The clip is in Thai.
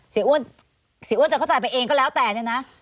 เสียอ้วนจะเข้าใจไปเองก็แล้วแต่เนี่ยนะ